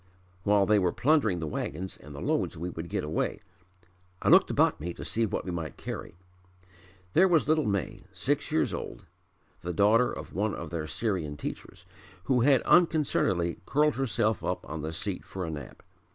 While they were plundering the wagons and the loads we would get away. I looked about me to see what we might carry. There was little May, six years old (the daughter of one of their Syrian teachers) who had unconcernedly curled herself up on the seat for a nap.